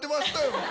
僕。